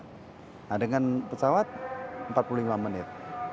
nah dengan pesawat empat puluh lima menit